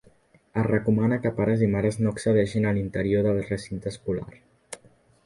Es recomana que pares i mares no accedeixin a l’interior del recinte escolar.